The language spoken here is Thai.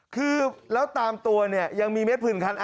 คือแล้วตามตัวเนี่ยยังมีเม็ดผื่นคัน